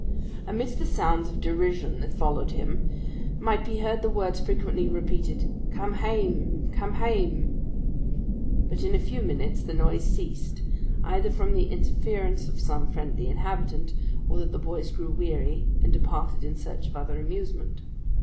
Amidst the sounds of derision that followed him, might be heard the words frequently repeated "Come hame, come hame." But in a few minutes the noise ceased, either from the interference of some friendly inhabitant, or that the boys grew weary, and departed in search of other amusement.